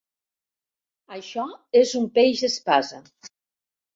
Això és un peix espasa.